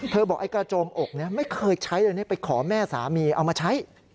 บอกไอ้กระโจมอกไม่เคยใช้เลยนะไปขอแม่สามีเอามาใช้